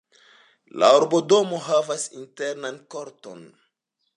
La urbodomo havas internan korton.